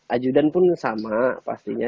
ajudan pun sama pastinya